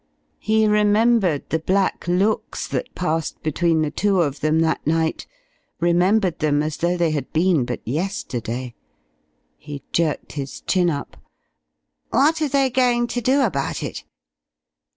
He remembered the black looks that passed between the two of them that night, remembered them as though they had been but yesterday. He jerked his chin up. "What're they going to do about it?"